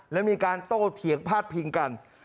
และมีการโตเถียงพาดพิงกัน